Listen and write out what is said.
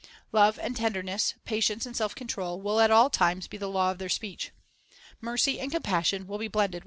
Love and tenderness, patience and self control, will at all times be the law of their speech. Mercy and compassion will be blended with justice.